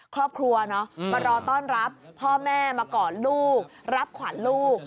ครอบครัวมารอต้อนรับพ่อแม่มากอดลูกรับขวัญลูก